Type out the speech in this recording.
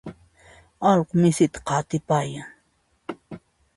allqu misita qatipayan.